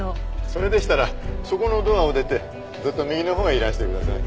それでしたらそこのドアを出てずっと右のほうへいらしてください。